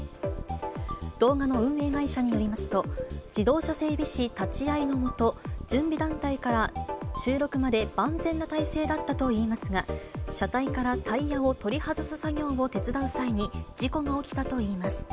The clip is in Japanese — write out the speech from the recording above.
動画の運営会社によりますと、自動車整備士立ち会いの下、準備段階から収録まで万全な体制だったといいますが、車体からタイヤを取り外す作業を手伝う際に、事故が起きたといいます。